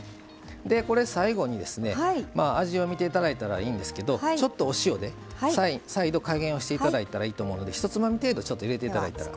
最後に味を見ていただいたらいいんですけどちょっとお塩で再度加減をしていただいたらいいと思うのでひとつまみ程度入れていただいたら。